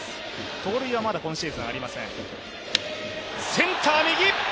盗塁はまだ今シーズンありません。